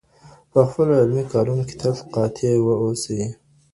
په خپلو علمي کارونو کي تل قاطع واوسئ.